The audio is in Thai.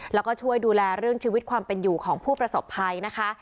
แล้วก็ช่วยดูแลเรื่องชีวิตความเป็นอยู่ของผู้ประสบภัยนะคะ